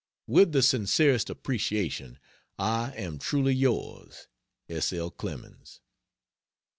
With the sincerest appreciation I am Truly yours S L. CLEMENS.